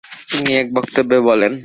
তিনি এক বক্তব্যে বলেন